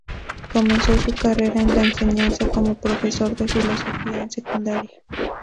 Comenzó su carrera en la enseñanza como profesor de filosofía en secundaria.